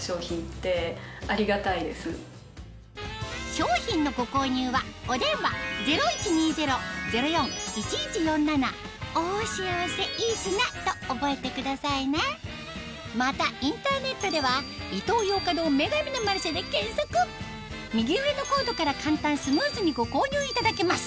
商品のご購入はお電話０１２０−０４−１１４７と覚えてくださいねまたインターネットでは右上のコードから簡単スムーズにご購入いただけます